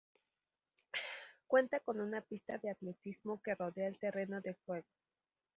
Cuenta con una pista de atletismo que rodea el terreno de juego.